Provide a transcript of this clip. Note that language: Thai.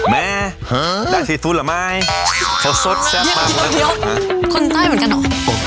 แม่ทำอย่างเดี๋ยวคุณใจเหรอ